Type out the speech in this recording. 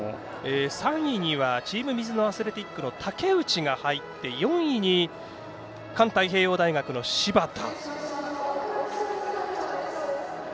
３位にはチームミズノアスレティックの竹内が入って４位に環太平洋大学の芝田。